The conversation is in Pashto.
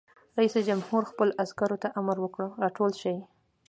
رئیس جمهور خپلو عسکرو ته امر وکړ؛ راټول شئ!